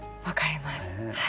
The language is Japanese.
分かります。